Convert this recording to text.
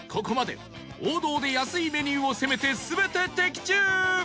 ここまで王道で安いメニューを攻めて全て的中！